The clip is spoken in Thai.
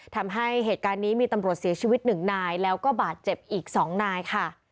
ทำให้เหตุการณ์นี้มีตำรวจเสียชีวิตหนึ่งนายแล้วก็บาดเจ็บอีก๒นายค่ะ